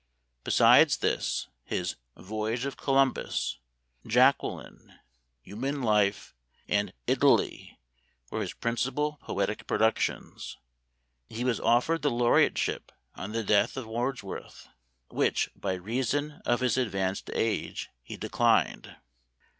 Besides this, his "Voyage of Columbus," "Jacqueline," "Human Life," and "Italy," were his principal poetic pro ductions. He was offered the laureateship on the death of Wordsworth, which, by reason of his advanced age, he declined.